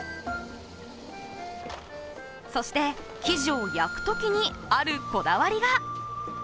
そして生地を焼くときにあるこだわりが。